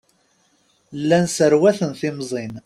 Llan sserwaten timẓin.